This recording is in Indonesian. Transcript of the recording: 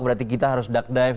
berarti kita harus dug dive